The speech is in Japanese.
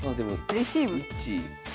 レシーブ。